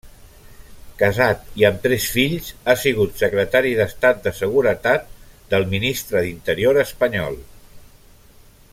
Casat i amb tres fills, ha sigut Secretari d'Estat de Seguretat del Ministre d'Interior Espanyol.